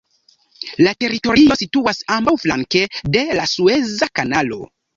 La teritorio situas ambaŭflanke de la Sueza Kanalo.